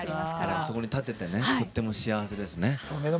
そこに立ててとても幸せですね。